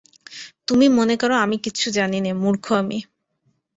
তুমি মনে কর আমি কিচ্ছু জানি নে, মুর্খু আমি!